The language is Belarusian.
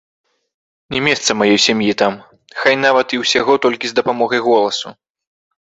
Не месца маёй сям'і там, хай нават і ўсяго толькі з дапамогай голасу.